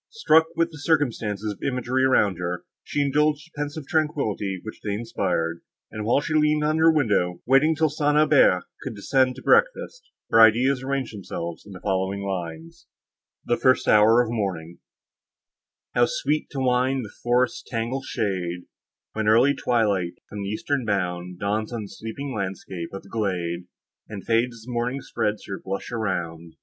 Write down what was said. Struck with the circumstances of imagery around her, she indulged the pensive tranquillity which they inspired; and while she leaned on her window, waiting till St. Aubert should descend to breakfast, her ideas arranged themselves in the following lines: THE FIRST HOUR OF MORNING How sweet to wind the forest's tangled shade, When early twilight, from the eastern bound, Dawns on the sleeping landscape in the glade, And fades as morning spreads her blush around!